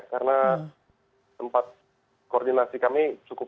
karena tempat koordinasi kami